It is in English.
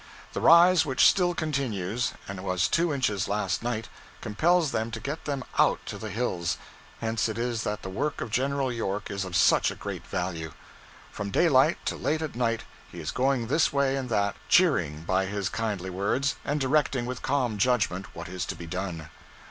The rise which still continues, and was two inches last night, compels them to get them out to the hills; hence it is that the work of General York is of such a great value. From daylight to late at night he is going this way and that, cheering by his kindly words and directing with calm judgment what is to be done.